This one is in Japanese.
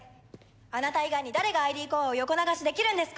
あなた以外に誰がＩＤコアを横流しできるんですか？